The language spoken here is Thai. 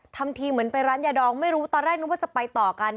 ทำทีเหมือนไปร้านยาดองไม่รู้ตอนแรกนึกว่าจะไปต่อกัน